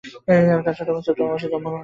তার ছোট বোন সেপ্টেম্বর মাসে জন্মগ্রহণ করে।